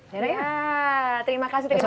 ya terima kasih terima kasih